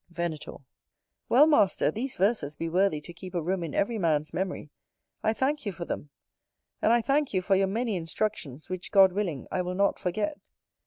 Venator. Well, Master, these verses be worthy to keep a room in every man's memory. I thank you for them; and I thank you for your many instructions, which, God willing, I will not forget.